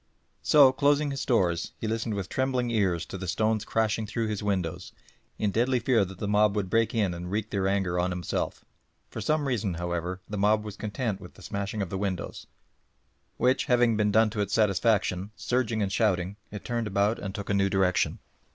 So, closing his doors, he listened with trembling ears to the stones crashing through his windows, in deadly fear that the mob would break in and wreak their anger on himself. For some reason, however, the mob were content with the smashing of the windows, which having been done to its satisfaction, surging and shouting it turned about and took a new direction.